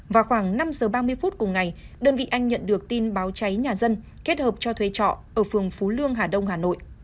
vào khoảng năm giờ ba mươi phút cùng ngày đơn vị anh nhận được tin báo cháy nhà dân kết hợp cho thuê trọ ở phường phú lương hà đông hà nội